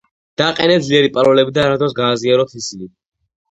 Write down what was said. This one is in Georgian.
დაყენეთ ძლიერი პაროლები და არასდროს გაზიაროთ ის